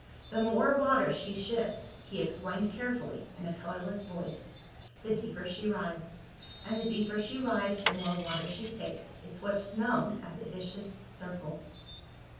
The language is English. The more water she ships," he explained carefully, in a colorless voice, "the deeper she rides. And the deeper she rides, the more water she takes. It's what's known as a vicious circle."